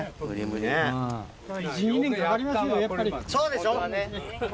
そうでしょ。